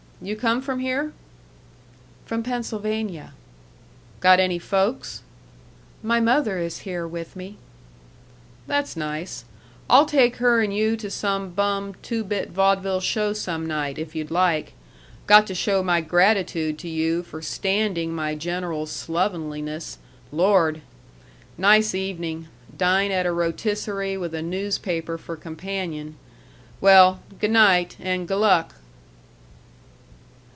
You come from here?" "From Pennsylvania." "Got any folks?" "My mother is here with me." "That's nice. I'll take her and you to some bum two bit vaudeville show some night, if you'd like.... Got to show my gratitude to you for standing my general slovenliness.... Lord! nice evening dine at a rôtisserie with a newspaper for companion. Well g' night and g' luck."